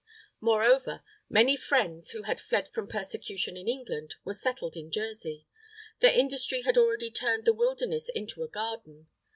Moreover, many Friends, who had fled from persecution in England, were settled in Jersey. Their industry had already turned the wilderness into a garden.